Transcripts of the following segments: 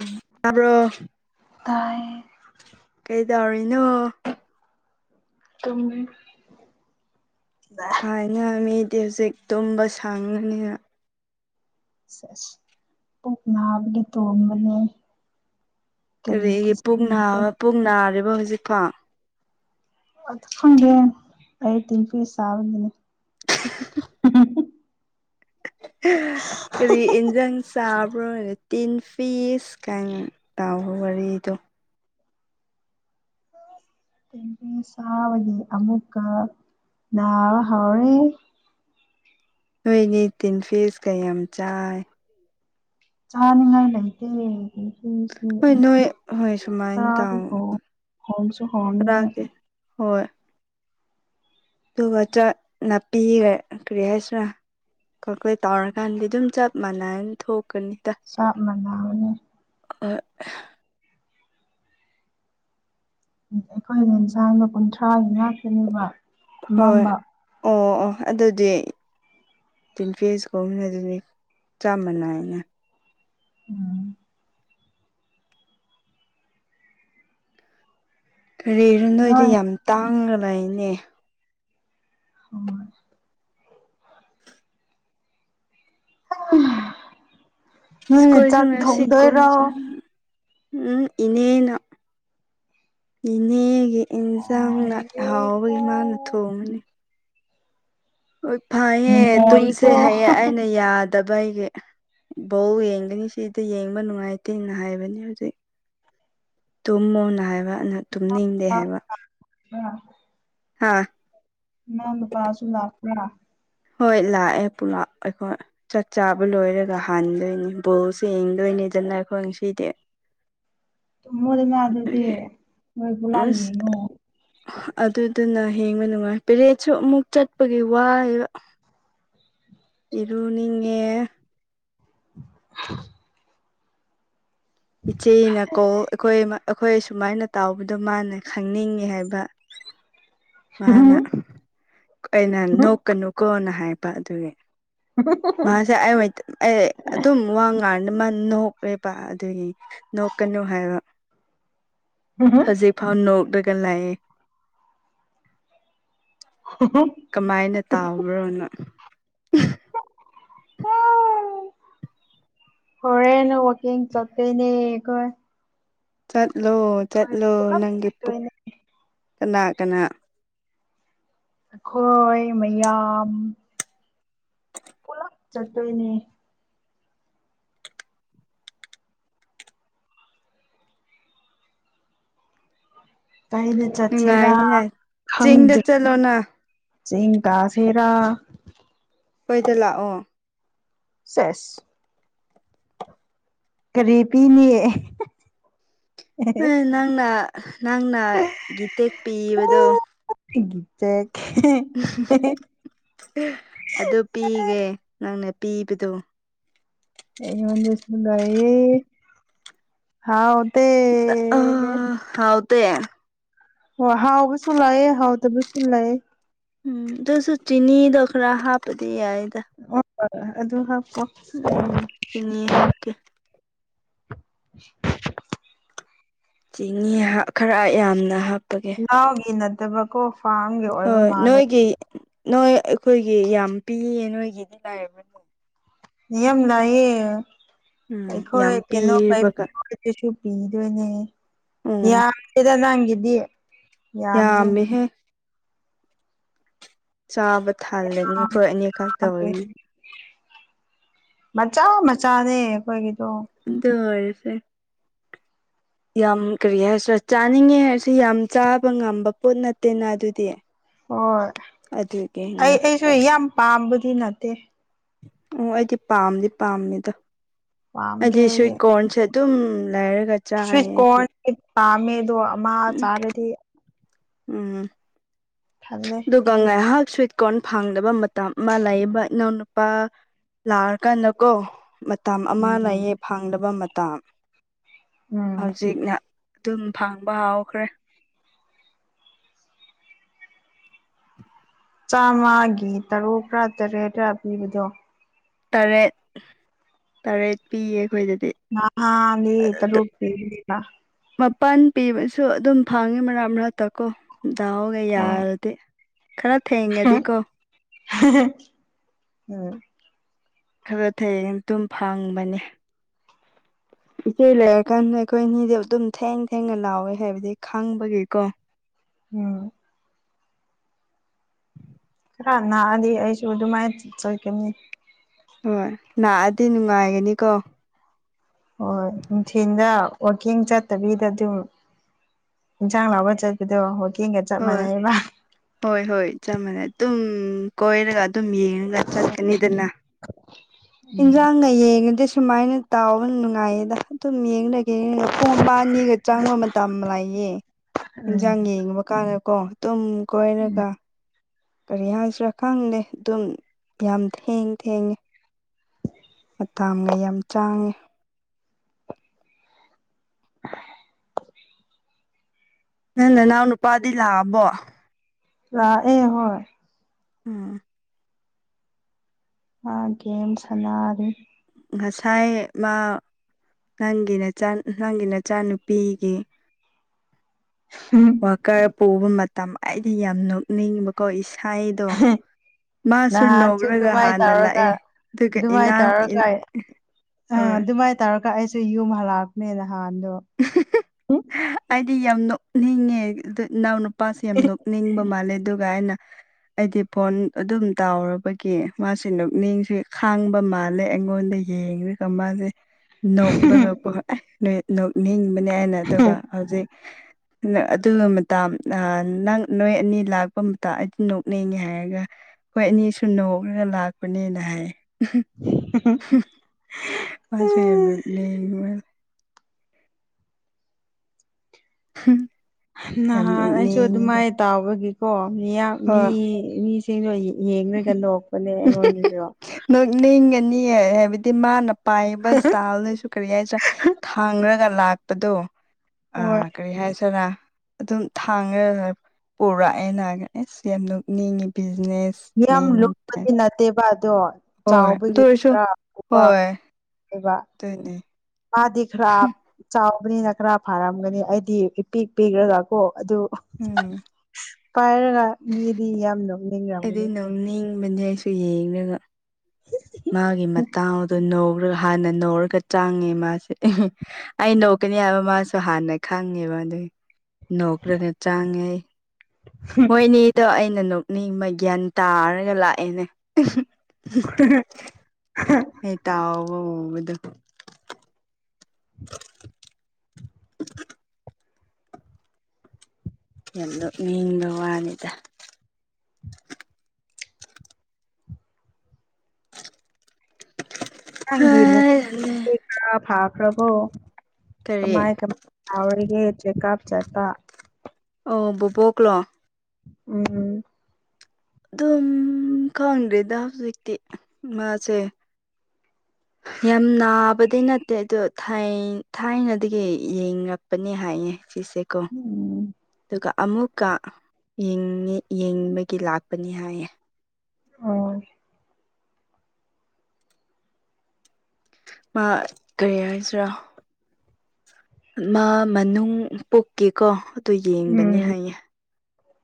ꯎꯝ ꯇꯕ꯭ꯔꯣ ꯇꯥꯏꯌꯦ ꯀꯩ ꯇꯧꯔꯤꯅꯣ ꯑꯗꯨꯝ ꯐꯥꯏꯅ ꯃꯤꯗꯤ ꯍꯧꯖꯤꯛ ꯇꯨꯝꯕ ꯁꯥꯡꯉꯅꯤꯅ ꯁꯁ ꯄꯨꯛ ꯅꯥꯕꯒꯤ ꯇꯣꯡꯕꯅꯦ ꯀꯔꯤꯒꯤ ꯄꯨꯛ ꯅꯥꯕ ꯄꯨꯛ ꯅꯥꯔꯤꯕ ꯍꯧꯖꯤꯛꯐꯥꯎ ꯈꯪꯗꯦ ꯑꯩ ꯇꯤꯟꯐꯤ ꯆꯥꯕꯒꯤꯅꯤ [unintelligible] ꯀꯔꯤ ꯑꯦꯟꯖꯥꯡ ꯆꯥꯕ꯭ꯔꯣꯅ ꯇꯤꯟ ꯐꯤꯁ ꯀ ꯇꯥꯎ ꯋꯥꯔꯤꯗꯣ ꯇꯦꯝꯕꯤ ꯁꯥꯕꯒꯤ ꯑꯃꯨꯛꯀ ꯅꯥ ꯍꯧꯔꯦ ꯅꯣꯏꯅꯦ ꯇꯤꯟ ꯐꯤꯁ ꯀ ꯌꯥꯝ ꯆꯥꯏ ꯆꯅꯤꯡꯉꯥꯏ ꯂꯩꯇꯦ ꯇꯤꯟꯐꯤꯁꯇꯤ ꯍꯣꯏ ꯅꯣꯏ ꯍꯣꯏ ꯁꯨꯃꯥꯏꯅ ꯈꯔꯗꯤ ꯍꯣꯡ ꯇꯥꯎꯑꯣ ꯍꯣꯡꯁꯨ ꯍꯣꯡꯉꯦ ꯐꯔꯥꯛꯀꯦ ꯍꯣꯏ ꯑꯗꯨꯒꯠ ꯅꯥꯄꯤ ꯀꯔꯤ ꯍꯥꯏꯁꯤꯅ ꯀꯈꯣꯏ ꯇꯧꯔꯀꯥꯟꯗꯤ ꯑꯗꯨꯝ ꯆꯞ ꯃꯥꯟꯅꯅ ꯊꯣꯛꯀꯅꯤꯗ ꯁꯥꯞ ꯃꯅꯎꯅꯤ ꯑ ꯑꯩꯈꯣꯏꯅ ꯌꯦꯟꯁꯥꯡꯒ ꯀꯨꯟꯊ꯭ꯔꯥꯒꯤ ꯉꯥꯛꯀꯅꯦꯕ ꯍꯣꯏ ꯑꯣ ꯑꯣ ꯑꯗꯨꯗꯤ ꯇꯤꯟꯐꯦꯖꯀꯨꯝꯅ ꯑꯗꯨꯗꯤ ꯆꯥꯝꯃꯅꯥꯏꯅ ꯎꯝ ꯀꯔꯤꯁꯨꯣ ꯅꯣꯏꯗ ꯅꯣꯏ ꯌꯥꯝ ꯇꯥꯡꯉ ꯂꯩꯅꯦ ꯍ ꯎꯝ ꯁ꯭ꯀꯨꯜꯁꯨ ꯆꯥꯛ ꯉꯁꯤ ꯊꯣꯡꯗꯣꯏꯔꯣ ꯀꯣꯏꯁꯨ ꯎꯝ ꯏꯅꯦꯅ ꯏꯅꯦꯒ ꯏꯟꯁꯥꯡꯅ ꯉꯥꯏꯔꯦꯀꯣ ꯍꯥꯎꯕꯒꯤ ꯃꯥꯅ ꯊꯣꯡꯉꯅꯤ ꯍꯣꯏ ꯐꯩꯌꯦ ꯇꯨꯝꯁꯦ ꯅꯨꯡꯉꯥꯏꯀꯣ ꯍꯌꯦ ꯑꯩꯅ ꯌꯥꯗꯕ ꯑꯩꯒꯤ ꯕꯧ ꯌꯦꯡꯒꯅꯤ ꯁꯤꯗ ꯌꯦꯡꯕ ꯅꯨꯡꯉꯥꯏꯇꯦꯅ ꯍꯥꯏꯕꯅꯦ ꯍꯧꯖꯤꯛ ꯇꯨꯝꯃꯣꯅ ꯍꯥꯏꯕ ꯅ ꯇꯨꯝꯅꯤꯡꯗꯦ ꯍꯥꯏꯕ ꯑ ꯍꯥꯥ ꯃ ꯄꯥꯁꯨ ꯂꯥꯛꯥ ꯍꯣꯏ ꯂꯥꯛꯑꯦ ꯄꯨꯂꯞ ꯑꯩꯈꯣꯏ ꯆꯥꯛ ꯆꯥꯕ ꯂꯣꯏꯔꯒ ꯍꯥꯟꯗꯣꯏꯅꯤ ꯕꯣꯜꯁꯦ ꯌꯦꯡꯗꯣꯏꯅꯤꯗꯅ ꯑꯩꯈꯣꯏ ꯉꯁꯤꯗꯤ [unintelligible] ꯃ ꯑꯗꯨꯅ ꯑꯗꯨꯗꯤ ꯅꯣꯏ ꯄꯨꯂꯞ ꯑꯁ ꯌꯦꯡꯉꯣ ꯑꯗꯨꯗꯨꯅ ꯍꯦꯡꯕ ꯅꯨꯡꯉꯥꯏ ꯄꯦꯔꯦꯠꯁꯨ ꯑꯃꯨꯛ ꯆꯠꯄꯒꯤ ꯋꯥꯏꯕ ꯏꯔꯨꯅꯤꯡꯉꯦ [unintelligible] ꯏꯆꯦꯅꯀꯧ ꯑꯩꯈꯣꯏ ꯑꯩꯈꯣꯏ ꯁꯨꯃꯥꯏꯅ ꯇꯥꯎꯕꯗꯣ ꯃꯥꯅ ꯈꯪꯅꯤꯡꯉꯤ ꯍꯥꯏꯕ ꯃꯥꯅ ꯑꯩꯅ ꯅꯣꯛꯀꯅꯨꯀꯣꯅ ꯍꯥꯏꯕ ꯑꯗꯨꯒꯤ [unintelligible] ꯁꯤ ꯑꯩ ꯑꯩ ꯑꯗꯨꯝ ꯋꯥ ꯉꯥꯡ ꯃꯥ ꯅꯍꯣꯛꯂꯦꯕ ꯑꯗꯨꯒꯤ ꯅꯣꯀꯅꯣ ꯍꯥꯏꯕ ꯎꯝ ꯍꯝ ꯍꯧꯖꯤꯛ ꯐꯥꯎ ꯅꯣꯛꯂꯒ ꯂꯥꯛꯑꯦ ꯍꯣ ꯀꯃꯥꯏꯅ ꯇꯥꯎꯕ꯭ꯔꯣꯅꯣ ꯐꯔꯦꯅ ꯋꯥꯀꯤꯡ ꯆꯇꯅꯤꯈꯣꯏ ꯆꯠꯂꯣ ꯆꯠꯂꯣ ꯄꯨꯂꯞ ꯅꯪꯒꯤ ꯄꯨ ꯆꯠꯇꯣꯏꯅꯦ ꯀꯅꯥ ꯀꯅꯥ ꯍꯣꯏꯣꯏ ꯃꯌꯥ ꯆꯠꯇꯣꯏꯅꯦ ꯀꯩꯗ ꯆꯆꯦꯔ ꯅꯨꯡꯉꯥꯏꯅꯤꯅ ꯆꯤꯡꯗ ꯈꯪꯗ ꯆꯠꯂꯣꯅ ꯆꯤꯡꯀ ꯁꯦꯔꯥ ꯀꯣꯏꯗ ꯂꯥꯛꯑꯣ ꯆꯁ ꯀꯔꯤ ꯄꯤꯅꯤ ꯅꯪꯅ ꯅꯪꯅ ꯒꯤ ꯇꯦꯛ ꯄꯤꯕꯗꯣ ꯒꯤꯇꯦꯛ ꯑꯗꯨ ꯄꯤꯒꯦ ꯅꯪꯅ ꯄꯤꯕꯗꯣ ꯑꯩ ꯃꯖꯦ ꯁꯤꯒ ꯍꯥꯎꯗ ꯍꯥꯎꯗ ꯑꯣ ꯍꯥꯎꯕꯁꯨ ꯂꯥꯛꯑꯦ ꯍꯥꯎꯗꯕꯁꯨ ꯂꯥꯛꯑꯌꯦꯦ ꯎꯝ ꯑꯗꯨꯁꯨ ꯆꯤꯅꯤꯗꯣ ꯈꯔ ꯍꯥꯞꯄꯗꯤ ꯌꯥꯏꯗ ꯑꯣ ꯍ ꯑꯗꯨ ꯍꯥꯞꯄꯣ ꯆꯅꯤ ꯍꯥꯞꯀꯦ ꯎ ꯆꯤꯅꯤ ꯈꯔ ꯌꯥꯝꯅ ꯍꯥꯞꯄꯒꯦ ꯆꯥꯎꯒꯤ ꯅꯠꯇꯕ ꯀꯣ ꯐꯥꯔꯝꯒꯤ ꯑꯣꯏꯕ ꯍꯣꯏ ꯃꯥꯂꯦ ꯅꯣꯏꯒꯤ ꯅꯣꯏ ꯑꯩꯈꯣꯏꯒꯤ ꯌꯥꯝ ꯄꯤꯌꯦ ꯅꯣꯏꯒꯤꯗꯤ ꯂꯥꯏꯔꯕꯅꯤ ꯌꯥꯝ ꯌꯥꯝ ꯂꯥꯛꯌꯦ ꯎꯝ ꯌꯥꯝ ꯑꯩꯈꯣꯏ ꯀꯩꯅꯣ ꯄꯤꯕꯒ ꯄꯥꯏꯕꯤꯌ ꯀꯁꯨ ꯄꯤꯗꯣꯏꯅꯦ ꯎꯝ ꯌꯥꯗꯦꯗ ꯅꯪꯒꯤꯗꯤ ꯌꯥꯝꯗꯦ ꯀꯝꯃꯦꯍ ꯆꯥꯕ ꯊꯥꯜꯂꯅꯤ ꯑꯩꯈꯣꯏ ꯑꯅꯦꯛꯈꯛ ꯇꯧꯔꯒꯤ ꯃꯆꯥ ꯃꯆꯥꯅꯦ ꯑꯩꯈꯣꯏꯒꯤꯗꯣ ꯗꯔꯁꯦ ꯌꯥꯝ ꯀꯔꯤ ꯍꯥꯏꯔꯁꯤꯔꯥ ꯆꯥꯅꯤꯡꯉꯦ ꯍꯥꯏꯔꯁꯤ ꯌꯥꯝ ꯆꯥꯕ ꯉꯝꯕ ꯄꯣꯠ ꯅꯠꯇꯦꯅ ꯑꯗꯨꯗꯤ ꯑꯗꯨꯗꯒꯅꯦ ꯁꯨꯏ ꯌꯥꯝ ꯄꯥꯝꯕꯗꯤ ꯅꯠꯇꯦ ꯑꯣ ꯑꯩꯗꯤ ꯄꯥꯝꯗꯤ ꯄꯥꯝꯃꯦꯗ ꯑꯩꯗꯤ ꯁꯨꯋꯤꯠꯀꯣꯔꯟꯁꯦ ꯑꯗꯨꯝ ꯂꯥꯏꯔꯒ ꯁ꯭ꯋꯤꯠ ꯀꯣꯔꯟ ꯄꯥꯝꯃꯦ ꯑꯗꯣ ꯑꯃ ꯎꯝ ꯆꯥꯔꯗꯤ ꯎꯝ ꯊꯦ ꯑꯗꯨꯒ ꯉꯥꯏꯍꯥꯛ ꯁ꯭ꯋꯤꯠ ꯀꯣꯔꯟ ꯐꯪꯗꯕ ꯃꯇꯝ ꯑꯃ ꯂꯩꯌꯦꯕ ꯏꯅꯥꯎꯅꯨꯄꯥ ꯂꯥꯔ ꯀꯥꯟꯒꯣ ꯃ ꯃꯇꯝ ꯑꯃ ꯎꯝ ꯂꯥꯏꯌꯦꯌꯦꯛ ꯐꯥꯡꯗꯕ ꯃꯇꯝ ꯎꯝ ꯍꯧꯖꯤꯛꯅ ꯑꯗꯨꯝ ꯐꯪꯕ ꯍꯥꯎꯈ꯭ꯔꯦ ꯆꯥꯝꯃꯒꯤ ꯇꯔꯨꯛꯔꯥ ꯇꯔꯦꯠꯔꯥ ꯄꯤꯕꯗꯣ ꯇꯔꯦꯠ ꯇꯔꯦꯠ ꯄꯤꯌꯦ ꯈꯣꯏꯗꯗꯤ ꯅꯍꯥꯟꯗꯤ ꯇꯔꯨꯛ ꯄꯤꯕꯅꯦꯗ ꯃꯥꯄꯟ ꯄꯤꯕꯁꯨ ꯑꯗꯨꯝ ꯐꯪꯉꯤ ꯃꯔꯛ ꯃꯔꯛꯇ ꯀꯣ ꯗꯥꯎꯒ ꯍꯣꯏ ꯌꯥꯔꯗꯤ ꯈꯔ ꯊꯦꯡꯉꯗꯤꯀꯣ [inaudible] ꯈꯔ ꯊꯦꯡ ꯇꯨꯝ ꯐꯪꯕꯅꯦ ꯏꯆꯦ ꯂꯩꯔꯀꯥꯟꯗ ꯑꯩꯈꯣꯏꯅꯤꯗꯤ ꯑꯗꯨꯝ ꯊꯦꯡ ꯊꯦꯡꯅ ꯂꯥꯎꯋꯦ ꯍꯥꯏꯕꯗꯤ ꯈꯪꯕꯒꯤꯀꯣ ꯎꯝ ꯅꯥꯗꯤ ꯑꯩꯁꯨ ꯑꯗꯨꯃꯥꯏ ꯆꯠꯀꯅꯤ ꯍꯣꯏ ꯂꯥꯛꯑꯗꯤ ꯅꯨꯡꯉꯥꯏꯒꯅꯤꯀꯣ ꯍꯣꯏ ꯅꯨꯡꯊꯤꯜꯗ ꯋꯥꯛꯀꯤꯡ ꯆꯠꯇꯕꯤꯗ ꯑꯗꯨꯝ ꯏꯟꯁꯥꯡ ꯂꯧꯕ ꯆꯠꯄꯗꯣ ꯋꯥꯛꯀꯤꯡꯒ ꯆꯞ ꯍꯣꯏ ꯃꯥꯟꯅꯩꯕ ꯍꯣꯏ ꯍꯣꯏ ꯆꯞ ꯃꯥꯟꯅꯩ ꯑꯗꯨꯝ ꯀꯣꯏꯔꯒ ꯑꯗꯨꯝ ꯌꯦꯡꯉꯒ ꯆꯠꯀꯅꯤꯗꯅ ꯌꯦꯟꯁꯥꯡꯒ ꯌꯦꯡꯉꯗꯤ ꯁꯨꯃꯥꯏꯅ ꯇꯥꯎꯕ ꯅꯨꯡꯉꯥꯏꯌꯦꯗ ꯑꯗꯨꯝ ꯌꯦꯡ ꯂꯩ ꯌꯦꯑꯒ ꯄꯨꯡ ꯑꯃ ꯑꯅꯤꯒ ꯆꯥꯡꯕ ꯃꯇꯝ ꯑꯃ ꯂꯥꯛꯌꯦ ꯌꯦꯟꯖꯥꯡ ꯌꯦꯡꯕ ꯀꯥꯟꯗꯀꯣ ꯇꯨꯝ ꯀꯣꯏꯔꯒ ꯀꯔꯤ ꯍꯥꯏꯁꯤꯔꯥ ꯈꯪꯗꯦ ꯑꯗꯨꯝ ꯌꯥꯝ ꯊꯦꯡ ꯊꯦꯡꯉꯦ ꯃꯇꯥꯝꯒ ꯌꯥꯝ ꯆꯥꯡꯉꯦ ꯅꯪ ꯅꯅꯥꯎ ꯅꯨꯄꯥꯗꯤ ꯂꯥꯛꯑꯕꯣ ꯂꯥꯛ ꯑꯦ ꯍꯣꯏ ꯑ ꯃꯥ ꯒꯦꯝ ꯁꯥꯟꯅꯔꯤ ꯉꯁꯥꯏ ꯃꯥ ꯅꯪꯒꯤ ꯅꯆꯥ ꯅꯪꯒꯤ ꯅꯆꯥꯅꯨꯄꯤꯒꯤ [inaudible] ꯋꯥꯛꯀꯔ ꯄꯨꯕ ꯃꯇꯝ ꯑꯩꯗꯤ ꯌꯥꯝ ꯅꯣꯛꯅꯤꯡꯕꯀꯣ ꯏꯁꯥꯏꯗꯣ ꯃꯥꯁꯨ ꯅꯍꯥꯟꯁꯨ ꯅꯣꯛꯔꯒ ꯑꯗꯨꯃꯥꯏ ꯍꯥꯟꯅ ꯇꯧꯔꯒ ꯂꯥꯛꯑꯦ ꯑꯗꯨꯒ ꯑꯗꯨꯃꯥꯏ ꯏꯅꯥꯎ ꯏ ꯇꯧꯔꯒ ꯑ ꯑꯗꯨꯃꯥꯏꯅ ꯇꯧꯔꯒ ꯑꯩꯁꯨ ꯌꯨꯝ ꯍꯜꯂꯛꯄꯅꯦ ꯅꯍꯥꯟꯗꯣ ꯑꯩꯗꯤ ꯌꯥꯝ ꯅꯣꯛꯅꯤꯡꯉꯦ ꯑꯗꯨ ꯏꯅꯥꯎꯅꯨ ꯄꯥꯁꯦ ꯌꯥꯝ ꯅꯣꯛꯅꯤꯡꯕ ꯃꯥꯜꯂꯦ ꯑꯗꯨꯒ ꯑꯩꯅ ꯑꯩꯗꯤ ꯐꯣꯟ ꯑꯗꯨꯝ ꯇꯥꯎꯔꯕꯒꯤ ꯃꯥꯁꯤ ꯄꯨꯛꯅꯤꯡꯁꯤ ꯈꯥꯡꯕ ꯃꯥꯜꯂꯦ ꯑꯩꯉꯣꯟꯗ ꯌꯦꯡꯔꯒ ꯃꯥꯁꯦ ꯅꯣꯛꯔꯒꯀꯣ ꯑꯥꯏ ꯅꯣꯏ ꯅꯣꯛꯅꯤꯡꯕꯅꯦ ꯑꯩꯅ ꯑꯗꯨ ꯍꯧꯖꯤꯛ ꯑꯗꯨ ꯃꯇꯝ ꯑ ꯅꯪ ꯅꯣꯏ ꯑꯅꯤ ꯂꯥꯛꯄ ꯃꯇꯝ ꯑꯩꯗꯤ ꯅꯣꯛꯉꯦ ꯍꯥꯏꯔꯒ ꯈꯣꯏ ꯑꯅꯤꯁꯨ ꯅꯣꯛꯔꯒ ꯂꯥꯛꯄꯅꯦꯅ ꯍꯥꯏ ꯄꯁꯦ ꯌꯥꯝ ꯂꯩ ꯉꯨꯃꯦ ꯍꯝ ꯅꯍꯥꯟ ꯑꯩꯁꯨ ꯑꯗꯨꯃꯥꯏꯅ ꯇꯥꯎꯕꯒꯤꯀꯣ ꯃꯤꯌꯥꯝ ꯍꯣꯏ ꯃꯤꯁ ꯁꯤꯡꯗꯣ ꯌꯦꯡꯉꯒ ꯂꯣꯛꯄꯅꯦ ꯑꯩꯉꯣꯟꯗꯁꯨ ꯅꯣꯛꯅꯤꯡꯒꯅꯤ ꯍꯥꯏꯕꯗꯤ ꯃꯥꯅ ꯄꯥꯏꯕ ꯏꯁꯇꯥꯏꯜꯗꯁꯨ ꯀꯔꯤ ꯍꯥꯏꯁꯤꯔꯥ ꯈꯥꯡꯉꯒ ꯂꯥꯛꯄꯗꯣ ꯑ ꯍꯣꯏ ꯀꯔꯤ ꯍꯥꯏꯁꯤꯔꯥ ꯑꯗꯨꯝ ꯊꯥꯡꯉ ꯄꯨꯔꯛꯑꯦꯅ ꯑꯁ ꯌꯥꯝ ꯅꯣꯛꯅꯤꯡꯉꯤ ꯕꯤꯖꯤꯅꯦꯁ ꯌꯥꯝ ꯃꯦꯟ ꯂꯨꯕꯗꯤ ꯇꯥꯏꯞ ꯅꯠꯇꯦꯕ ꯑꯗꯣ ꯍꯣꯏ ꯑꯗꯨ ꯆꯥꯎꯕꯒꯤ ꯑꯣꯏꯔꯁꯨ ꯈꯔ ꯎꯕ ꯑꯦꯕ ꯇꯅꯦ ꯃꯥꯗꯤ ꯈꯔ ꯆꯥꯎꯕꯅꯤꯅ ꯈꯔ ꯐꯥꯔꯝꯒꯅꯤ ꯑꯩꯗꯤ ꯏꯄꯤꯛ ꯄꯤꯛꯔꯒ ꯀꯣ ꯑꯗꯨ ꯎꯝ ꯄꯥꯏꯔꯒ ꯃꯤꯗꯤ ꯌꯥꯝꯅ ꯑꯩꯗꯤ ꯅꯣꯛꯅꯤꯡꯕꯅꯦ ꯑꯩꯁꯨ ꯌꯦꯡꯔꯒ ꯃꯥꯒꯤ ꯃꯇꯥꯎꯗꯣ ꯅꯧꯔꯒ ꯍꯥꯟꯅ ꯅꯧꯔꯒ ꯆꯥꯡꯉꯦ ꯃꯥꯁꯦ ꯑꯩ ꯅꯣꯛꯀꯅꯤ ꯍꯥꯏꯕ ꯃꯥꯁꯨ ꯍꯥꯟꯅ ꯈꯪꯉꯦꯕ ꯑꯗꯨꯒꯤ ꯅꯣꯛꯔꯒ ꯆꯥꯡꯉꯦ ꯑꯩ [inaudible] ꯃꯣꯏꯅꯤꯗꯣ ꯑꯩꯅ ꯅꯣꯛꯅꯤꯡꯕ ꯒ꯭ꯌꯥꯟ ꯇꯥꯔꯒ ꯂꯥꯛꯑꯦꯅꯦ ꯑꯩ ꯇꯥꯎꯕꯗ ꯎꯕꯗꯣ [inaudible] ꯌꯥꯝ ꯂꯣꯛꯅꯤꯡꯕ ꯋꯥꯅꯤꯗ ꯅꯪꯒꯤꯕꯨ ꯈꯔ ꯐꯥꯈ꯭ꯔꯕꯣ ꯀꯔꯤ ꯀꯃꯥꯏ ꯀꯃꯥꯏ ꯑꯒ ꯆꯀꯞ ꯆꯀ ꯑ ꯕꯕꯣꯛ ꯀꯂꯣ ꯎꯝ ꯑꯗꯨꯝ ꯈꯪꯗ꯭ꯔꯦꯗ ꯍꯧꯖꯤꯛꯇꯤ ꯃꯥꯁꯦ ꯌꯥꯝ ꯅꯥꯕꯗꯤ ꯅꯠꯇꯦ ꯑꯗꯣ ꯊꯥꯏꯅꯗꯒꯤ ꯌꯦꯡꯂꯡꯉꯛꯄꯅꯦ ꯍꯥꯏꯌꯦ ꯆꯤꯁꯦ ꯀꯣ ꯎꯝ ꯑꯗꯨꯒ ꯑꯃꯨꯛꯀ ꯌꯦꯡ ꯌꯦꯡꯅꯤꯡꯕꯒꯤ ꯂꯥꯛꯄꯅꯤ ꯍꯥꯏꯌꯦ ꯑꯣ ꯃꯥ ꯀꯔꯤ ꯍꯥꯏꯁꯤꯔꯥ ꯃꯥ ꯃꯅꯨꯡ ꯄꯣꯛꯀꯦꯀꯣ ꯑꯗꯨ ꯌꯦꯡꯕꯅꯤ ꯎꯝ ꯍꯥꯏꯌꯦ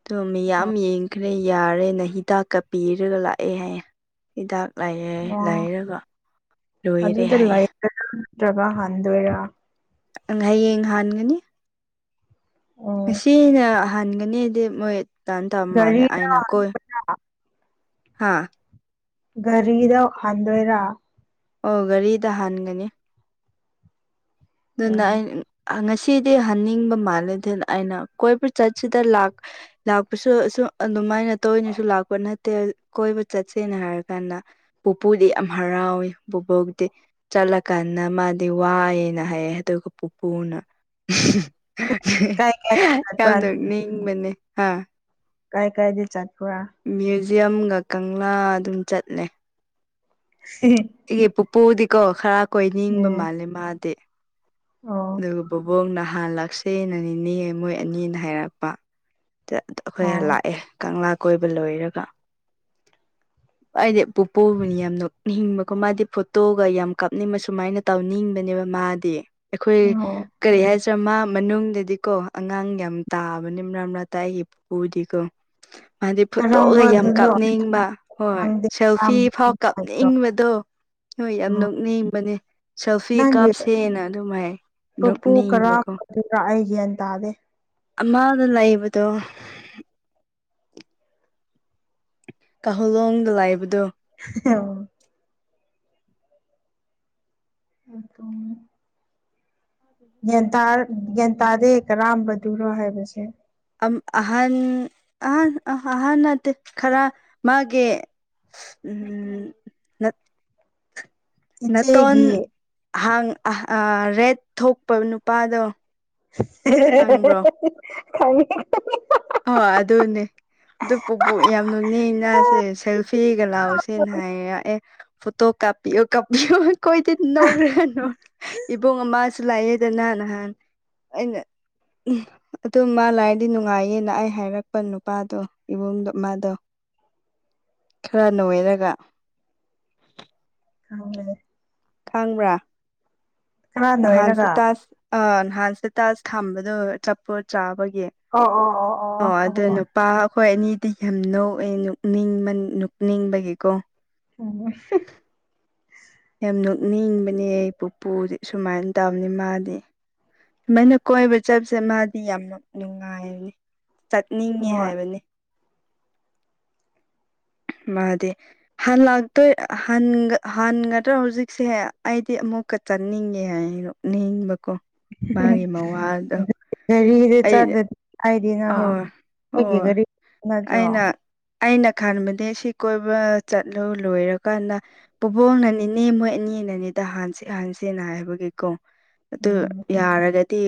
ꯑꯗꯨ ꯃꯤ ꯌꯥꯝ ꯌꯦꯡꯈ꯭ꯔꯦ ꯌꯥꯔꯦ ꯅ ꯍꯤꯗꯥꯛꯀ ꯄꯤꯔꯒ ꯂꯥꯛꯑꯦ ꯍꯥꯏꯌꯦ ꯍꯤꯗꯥꯛ ꯂꯥꯏꯑꯦ ꯑꯣ ꯂꯥꯏꯔꯒ ꯂꯣꯏꯔꯦ ꯍꯥꯏꯌꯦꯦ ꯒꯥ ꯍꯥꯟꯗꯣꯏꯔ ꯍꯌꯦꯡ ꯍꯥꯟꯒꯅꯤ ꯑꯣ ꯉꯁꯤꯅ ꯍꯟꯒꯅꯤꯗꯤ ꯃꯣꯏ ꯇꯟ ꯇꯧ ꯃꯥꯜꯂꯦ ꯒꯥꯔꯤꯗ ꯑꯩꯅ ꯀꯣꯏ ꯍꯥꯥ ꯒꯥꯔꯤꯗ ꯍꯟꯗꯣꯏꯔꯥ ꯑꯣ ꯒꯥꯔꯤ ꯇ ꯍꯟꯒꯅꯤ ꯑꯗꯨꯅ ꯎꯝ ꯑ ꯉꯁꯤꯗꯤ ꯍꯟꯅꯤꯡꯕ ꯃꯥꯜꯂꯦ ꯑꯗꯨꯅ ꯑꯩꯅ ꯀꯣꯏꯕ ꯆꯠꯁꯤꯗ ꯂꯥꯛ ꯂꯥꯛꯄꯁꯨ ꯑꯗꯨꯃꯥꯏꯅ ꯇꯅꯁꯨ ꯂꯥꯛꯄ ꯅꯠꯇꯦ ꯀꯣꯏꯕ ꯆꯠꯁꯦꯅ ꯍꯥꯏꯔ ꯀꯥꯟꯗ ꯄꯨꯄꯨꯗꯤ ꯌꯥꯝ ꯍꯔꯥꯎꯏ ꯄꯨꯕꯣꯛꯗꯤ ꯆꯠꯂꯀꯥꯟꯗ ꯃꯥꯗꯤ ꯋꯥꯏꯑꯅ ꯍꯥꯏꯦ ꯑꯗꯨꯒ ꯄꯨꯄꯨꯅ ꯀꯥꯏ ꯀꯥꯏ ꯆꯠꯄ꯭ꯔꯥ ꯌꯥꯝꯗꯧ ꯅꯤꯡꯕꯅꯦ ꯍꯥ ꯀꯥꯏ ꯀꯥꯏ ꯗꯦ ꯆꯠꯄꯔ ꯃ꯭ꯌꯨꯖꯤꯌꯝꯒ ꯀꯪꯂꯥ ꯑꯗꯨꯝ ꯆꯠꯂꯦ ꯍ ꯑꯩꯒꯤ ꯄꯨꯄꯨꯗꯤꯀꯣ ꯈꯔ ꯀꯣꯏꯅꯤꯡꯕ ꯎꯝ ꯃꯥꯜꯂꯦ ꯃꯥꯗꯤ ꯑꯣ ꯑꯗꯨꯒ ꯕꯕꯣꯛ ꯅꯍꯥꯟ ꯂꯥꯛꯁꯦꯅ ꯅꯦ ꯃꯣꯏ ꯑꯅꯤꯅ ꯍꯥꯏꯔꯛꯄ ꯑꯩꯈꯣꯏ ꯑꯣ ꯂꯥꯛꯑꯦ ꯀꯪꯂꯥ ꯀꯣꯏꯕ ꯂꯣꯏꯔꯒ ꯑꯩꯗꯤ ꯄꯨꯄꯨꯕꯅꯤ ꯌꯥꯝ ꯅꯣꯛ ꯍꯤꯡꯕꯀꯣ ꯃꯥꯗꯤ ꯐꯣꯇꯣꯒ ꯌꯥꯝ ꯀꯥꯞꯅꯤꯡꯕ ꯁꯨꯃꯥꯏꯅ ꯇꯧꯅꯤꯡꯕꯅꯦꯕ ꯃꯥꯗꯤ ꯑꯩꯈꯣꯏ ꯑꯣ ꯀꯔꯤ ꯍꯥꯏ ꯆ꯭ꯔꯃꯥ ꯃꯅꯨꯡꯗꯗꯤꯀꯣ ꯑꯉꯥꯡ ꯌꯥꯝ ꯇꯥꯕꯅꯤ ꯃ꯭ꯔꯝꯥꯇꯥꯏꯒꯤ ꯄꯗꯤꯀꯣ ꯃꯥꯗꯤ ꯐꯨꯠꯇꯣꯛꯑꯒ ꯌꯥꯝ ꯀꯔꯝꯕꯗꯨꯅꯣ ꯀꯥꯞꯅꯤꯡꯕ ꯍꯣꯏ ꯈꯪꯗꯦ ꯁꯦꯜꯐꯤ ꯐꯥꯎ ꯀꯔꯝꯕꯗꯣ ꯀꯥꯞꯅꯤꯡꯕꯗꯣ ꯍꯣꯏ ꯌꯥꯝ ꯎꯝ ꯅꯣꯛꯅꯤꯡꯕꯅꯦ ꯁꯦꯜꯐꯤ ꯅꯪꯒꯤ ꯀꯥꯞꯁꯦꯅ ꯑꯗꯨ ꯄꯨꯄꯨ ꯑꯗꯨꯃꯥꯏꯅꯤꯕꯀꯣ ꯀꯔꯝꯕꯗꯨꯔꯥ ꯑꯩ ꯒ꯭ꯌꯥꯟ ꯇꯥꯗꯦ ꯑꯃꯗ ꯂꯩꯕꯗꯣ ꯀꯥꯍꯨꯂꯣꯡꯗ ꯂꯥꯛꯕꯗꯣ ꯑꯣ ꯑꯗꯨꯣ ꯟ ꯒ꯭ꯌꯥꯟ ꯇꯥꯗꯦ ꯀꯔꯝꯕꯗꯨꯔꯣ ꯍꯥꯏꯕꯁꯦ ꯑꯍꯟ ꯑꯍ ꯑꯍꯥꯟꯠꯇꯦ ꯈꯔ ꯃꯥꯒꯤ ꯎꯝ ꯅꯇꯣꯟ ꯏꯆꯦꯒꯤ ꯑꯍꯥꯡ ꯔꯦꯠ ꯊꯣꯛꯄ ꯅꯨꯄꯥꯗꯣ ꯈꯪꯕ꯭ꯔꯣ ꯈꯪꯉ ꯑꯣ ꯑꯗꯨꯟꯅꯦ ꯑꯗꯨ ꯄꯨꯕꯣꯛ ꯌꯥꯝ ꯅꯨꯡꯅꯦ ꯉꯁꯦ ꯁꯦꯜꯐꯤꯒ ꯂꯥꯎꯁꯦꯅ ꯍꯥꯏꯔꯛ ꯑꯦꯦ ꯐꯇꯣ ꯀꯥꯄ ꯀꯥꯄꯤ ꯀꯣꯏꯗ ꯅ꯭ꯔꯣ ꯑꯃ ꯨ ꯂꯥꯛꯑꯦꯗ ꯅꯍꯥꯟ ꯅꯍꯥꯟ ꯑꯩꯅ ꯑꯗꯨ ꯃꯥ ꯂꯥꯛꯔꯗꯤ ꯅꯨꯡꯉꯥꯏꯌꯦ ꯂꯥꯛ ꯑꯩ ꯍꯥꯏꯔꯛꯄ ꯅꯨꯄꯥꯗꯣ ꯏꯕꯨꯡꯗꯣ ꯃꯥꯗꯣ ꯈꯔ ꯅꯣꯏꯔꯒ ꯍ ꯈꯪꯕ꯭ꯔꯥ ꯈꯔ ꯅꯍꯥꯟꯁꯦ ꯅꯣꯏꯔꯒ ꯇꯥꯁ ꯑ ꯅꯍꯥꯟꯁꯦ ꯇꯖ ꯊꯥꯝꯕꯗꯣ ꯆꯞꯄꯣ ꯆꯥꯕꯒꯤ ꯑꯣ ꯑꯣ ꯑꯣ ꯑꯗꯨ ꯑꯍꯣꯏ ꯅꯨꯄꯥ ꯑꯩꯈꯣꯏ ꯑꯅꯤ ꯗꯤ ꯌꯥꯝ ꯅꯣꯛꯑꯦꯅꯤꯡꯕ ꯅꯣꯛꯅꯤꯡꯕꯒꯤꯀꯣ ꯍ ꯌꯥꯝ ꯅꯣꯛꯅꯤꯡꯕꯅꯦ ꯑꯩ ꯄꯨꯄꯨꯗꯤ ꯁꯨꯃꯥꯏꯅ ꯇꯧꯕꯅꯤ ꯃꯥꯗꯤ ꯁꯨꯃꯥꯏꯅ ꯀꯣꯏꯕ ꯆꯠꯄꯁꯦ ꯃꯥꯗꯤ ꯌꯥꯝꯅ ꯅꯨꯡꯉꯥꯏꯕꯅꯤ ꯆꯠꯅꯤꯡꯉꯤ ꯍꯣꯏ ꯍꯥꯏꯕꯅꯤ ꯃꯥꯗꯦ ꯍꯜꯂꯥꯛꯇꯣꯏ ꯍꯟꯒꯗ꯭ꯔꯥ ꯍꯧꯖꯤꯛꯁꯦ ꯑꯩꯗꯤ ꯑꯃꯨꯛꯀ ꯆꯠꯅꯤꯡꯉꯦ ꯍꯥꯏꯔꯣ ꯅꯕꯀꯣ ꯗ ꯑꯩ ꯆꯠꯗ ꯑꯩꯗꯤꯅ ꯍꯣꯏ ꯍꯣꯏ ꯑꯩꯒꯤꯒꯥꯔꯤ ꯅꯠꯇ꯭ꯔꯣ ꯑꯩꯅ ꯑꯩꯅ ꯈꯟꯕꯗꯤ ꯁꯤ ꯀꯣꯏꯕ ꯆꯠꯂꯨ ꯂꯣꯏꯔꯀꯥꯟꯗ ꯄꯨꯕꯣꯛꯅꯅꯤꯅꯦ ꯃꯣꯏ ꯑꯅꯤ ꯑꯅꯅꯦꯗ ꯍꯥꯟꯁꯤ ꯍꯍꯥꯟꯁꯤꯅ ꯍꯥꯏꯕꯒꯤꯀꯣ ꯑꯗꯨ ꯎꯝ ꯌꯥꯔꯒꯗꯤ